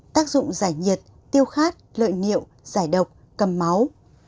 tác dụng giải nhiệt tiêu khát lợi niệu giải độc cầm máu